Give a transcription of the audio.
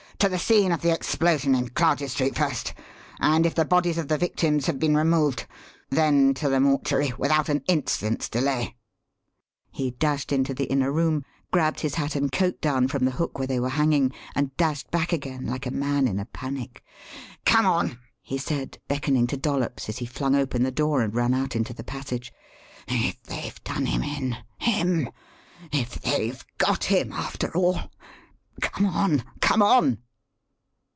"To the scene of the explosion in Clarges Street first, and if the bodies of the victims have been removed, then to the mortuary without an instant's delay." He dashed into the inner room, grabbed his hat and coat down from the hook where they were hanging, and dashed back again like a man in a panic. "Come on!" he said, beckoning to Dollops as he flung open the door and ran out into the passage. "If they've 'done him in' him! if they've 'got him' after all Come on! come on!"